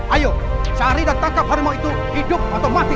ayo cari dan tangkap harimau itu hidup atau mati